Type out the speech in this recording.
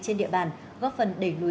trên địa bàn góp phần đẩy lùi